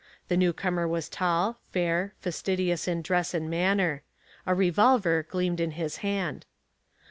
The newcomer was tall, fair, fastidious in dress and manner. A revolver gleamed in his hand.